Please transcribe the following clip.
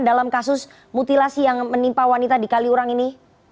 ada yang menyebutkan kasus mutilasi yang menimpa wanita di kaliurang ini